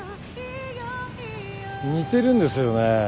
似てるんですよね。